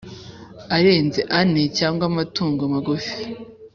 arenze ane cyangwa amatungo magufi